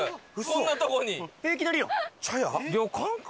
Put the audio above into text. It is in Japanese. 旅館か？